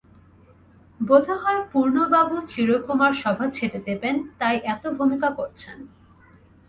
বোধ হয় পূর্ণবাবু চিরকুমার-সভা ছেড়ে দেবেন তাই এত ভূমিকা করছেন।